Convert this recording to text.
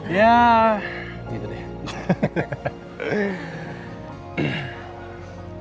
ya gitu deh